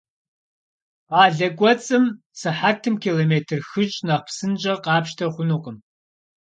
Къалэ кӏуэцӏым сыхьэтым километр хыщӏ нэхъ псынщӏэ къапщтэ хъунукъым.